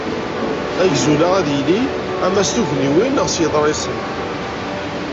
Agzul-a ad yili ama s tugniwin, neɣ s yiḍrisen.